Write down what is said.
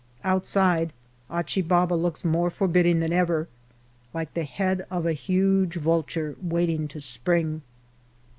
Outside, Achi Baba looks more forbidding than ever, like the head of a huge vulture waiting to spring.